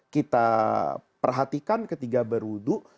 kita perhatikan ketika berudu